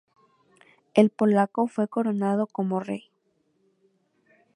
El polaco fue coronado como rey.